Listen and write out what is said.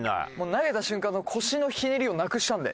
投げた瞬間の腰のひねりをなくしたんで。